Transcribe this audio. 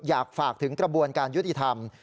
อยากฝากถึงกระบวนการยุติธรรม